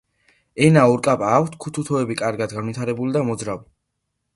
ენა ორკაპა აქვთ, ქუთუთოები კარგად განვითარებული და მოძრავი.